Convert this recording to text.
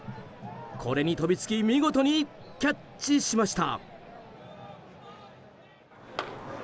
これに飛びつき見事にキャッチしました。